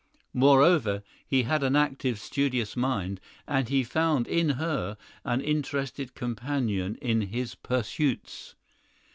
Moreover he had an active, studious mind, and he found in her an interested companion in his pursuits.